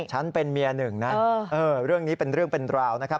ฉันเป็นเมียหนึ่งนะเรื่องนี้เป็นเรื่องเป็นราวนะครับ